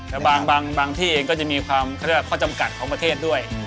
แต่บางที่เองก็จะมีความเข้าจำกัดของประเทศด้วย